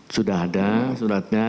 sudah ada suratnya